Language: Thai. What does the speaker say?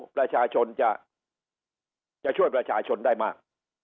ประชาชนจะช่วยประชาชนได้มาก